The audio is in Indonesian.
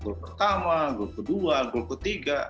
gol pertama gol kedua gol ketiga